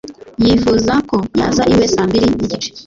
yifuza ko yaza iwe saa mbiri n'igice